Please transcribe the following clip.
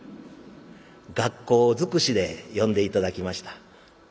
「がっこう」尽くしで呼んで頂きました。